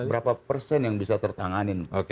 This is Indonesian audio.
berapa persen yang bisa tertanganin